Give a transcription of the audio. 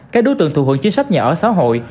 các đối tượng thụ hưởng chính sách nhà ở xã hội